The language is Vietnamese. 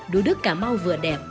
đũa đước cà mau vừa đẹp